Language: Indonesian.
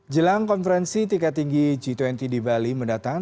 jelang konferensi tingkat tinggi g dua puluh di bali mendatang